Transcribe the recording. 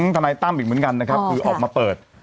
ถนายตั้มเหมือนกันซักครั้งค่ะที่ออกมาเปิด